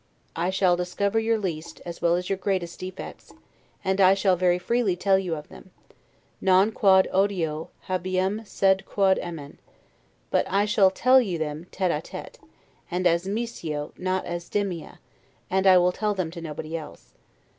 I shall discover your least, as well as your greatest defects, and I shall very freely tell you of them, 'Non quod odio habeam sed quod amem'. But I shall tell them you 'tete a tete', and as MICIO not as DEMEA; and I will tell them to nobody else.